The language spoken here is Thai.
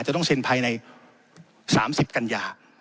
จะต้องเซ็นภายใน๓๐กันยา